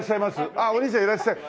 ああお兄ちゃんいらっしゃる。